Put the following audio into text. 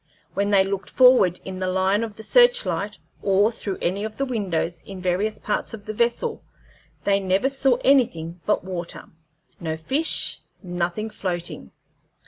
When they looked forward in the line of the search light, or through any of the windows in various parts of the vessel, they never saw anything but water no fish, nothing floating.